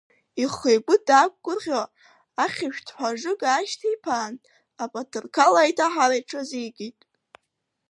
Ихы-игәы дақәгәырӷьо, ахьышәҭҳәа ажыга аашьҭиԥаан, апатырқал аиҭаҳара иҽазикит.